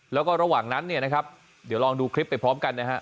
แล้วก็ระหว่างนั้นเดี๋ยวลองดูคลิปไปพร้อมกัน